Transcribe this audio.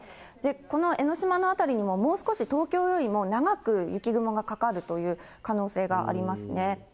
この江の島の辺りにももう少し東京よりも長く雪雲がかかるという可能性があります。